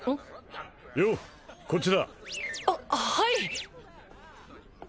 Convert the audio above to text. ようこっちだははい！